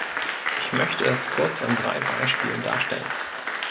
Ich möchte das kurz an drei Beispielen darstellen.